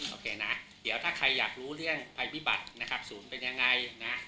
โอเคนะเดี๋ยวถ้าใครอยากรู้เรื่องภัยพิบัตินะครับศูนย์เป็นยังไงนะ